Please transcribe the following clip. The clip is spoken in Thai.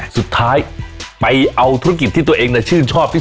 สุดท้ายไปเอาธุรกิจที่ตัวเองชื่นชอบที่สุด